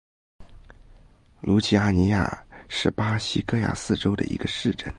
卢齐阿尼亚是巴西戈亚斯州的一个市镇。